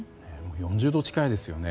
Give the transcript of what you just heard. ４０度近いですよね。